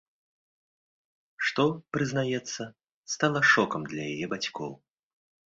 Што, прызнаецца, стала шокам для яе бацькоў.